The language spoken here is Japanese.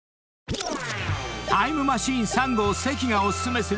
［タイムマシーン３号関がお薦めする